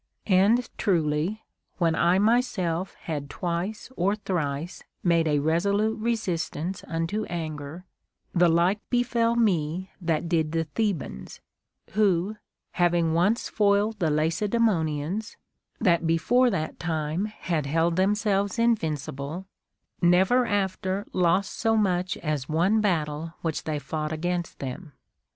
And truly, when I myself had twice or thrice made a resolute resistance unto anger, the like befell me that did the Thebans ; who, having• once foiled the Lacedaemonians, that before that time had held themselves invincible, never after lost so much as one battle Avhich they fought against them.